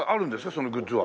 そのグッズは。